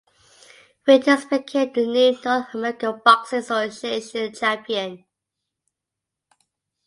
Winters became the new North American Boxing Association champion.